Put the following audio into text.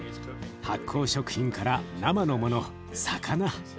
発酵食品から生のもの魚。